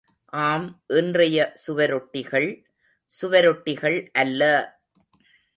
ஆம் இன்றைய சுவரொட்டிகள், சுவரொட்டிகள் அல்ல!